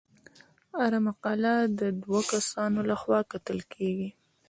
هره مقاله د دوه کسانو لخوا کتل کیږي.